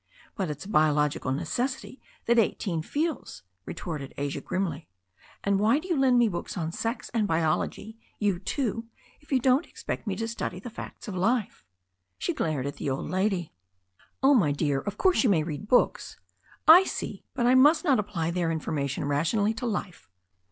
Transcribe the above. "But it's a biological necessity that eighteen feels," re torted Asia grimly. "And why did you lend me books on sex and biology, you two, if you didn't expect me to study the facts of life ?" She glared at the old lady. "Oh, my dear, of course you may read books " "I see, but I must not apply their information rationally to life